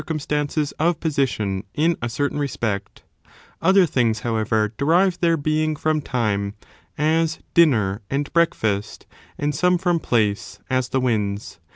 droumstances of position in a certain respect ; other things, however, derive their being from time, as ^ dinner and bres^ fast, and some from place, as the winds.